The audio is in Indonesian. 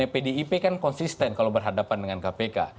pdip kan konsisten kalau berhadapan dengan kpk